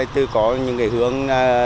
từ có những hướng